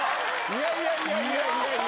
いやいやいやいやいやいや。